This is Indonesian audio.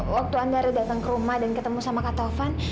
waktu anda datang ke rumah dan ketemu sama kak taufan